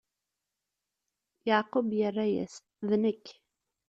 Yeɛqub irra-yas: D nekk.